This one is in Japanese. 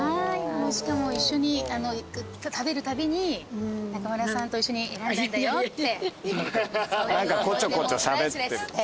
しかも一緒に食べるたびに中村さんと一緒に選んだんだよって。